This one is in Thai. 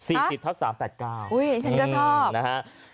๔๐๓๘๙อุ้ยฉันก็ชอบ